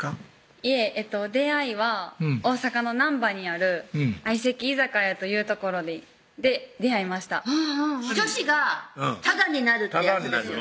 いえ出会いは大阪の難波にある相席居酒屋という所で出会いました女子がタダになるってやつですよね